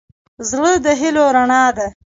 زړه د هيلو رڼا ده.